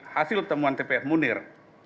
hasil temuan tpf munir